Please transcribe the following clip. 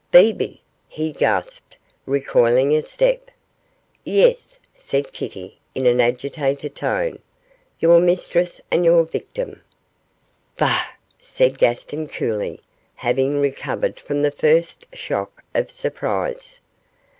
'Bebe?' he gasped, recoiling a step. 'Yes!' said Kitty, in an agitated tone, 'your mistress and your victim.' 'Bah!' said Gaston, coolly, having recovered from the first shock of surprise.